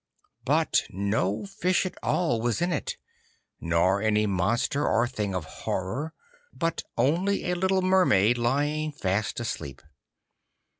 But no fish at all was in it, nor any monster or thing of horror, but only a little Mermaid lying fast asleep.